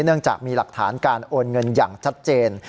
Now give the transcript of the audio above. เนื่องจากมีหลักฐานการโอนเงินอย่างชัดเจน